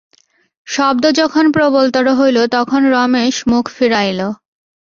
শব্দ যখন প্রবলতর হইল তখন রমেশ মুখ ফিরাইল।